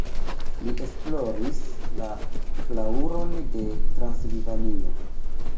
Li esploris la flaŭron de Transilvanio.